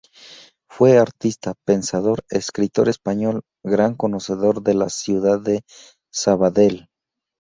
Fue artista, pensador, escritor español, gran conocedor de la ciudad de Sabadell.